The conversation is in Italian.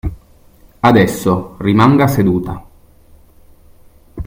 Adesso, rimanga seduta.